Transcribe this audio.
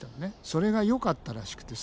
それがよかったらしくてさ。